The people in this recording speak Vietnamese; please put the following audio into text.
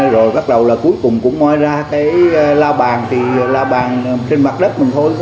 rồi bắt đầu là cuối cùng cũng ngoài ra cái lao bàn thì la bàn trên mặt đất mình thôi